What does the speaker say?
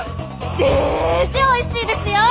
デージおいしいですよ！